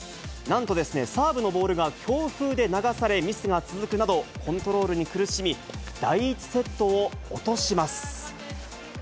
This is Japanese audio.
なんとですね、サーブのボールが強風で流され、ミスが続くなど、コントロールに苦しみ、第１セットを落とします。